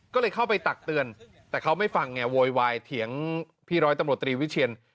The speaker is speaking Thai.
ก็เลยเข้าไปตักเตือนแต่เขาไม่ฟังไงโวยวายเถียงพี่ร้อยตำรวจตรีวิเชียน